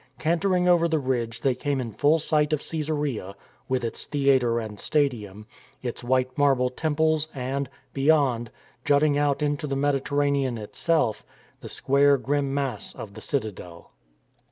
Cantering over the ridge they came in full sight of Caesarea with its theatre and stadium, its white marble temples and, beyond, jutting out into the Mediterranean itself, the square grim mass of the citadel.